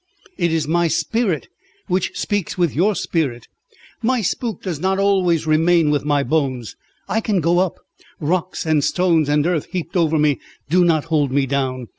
"It is my spirit which speaks with your spirit. My spook does not always remain with my bones. I can go up; rocks and stones and earth heaped over me do not hold me down.